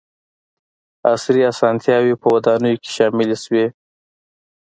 • عصري اسانتیاوې په ودانیو کې شاملې شوې.